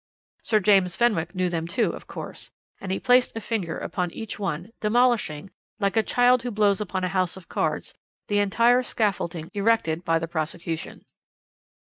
"Sir James Fenwick knew them, too, of course, and he placed a finger upon each one, demolishing like a child who blows upon a house of cards the entire scaffolding erected by the prosecution.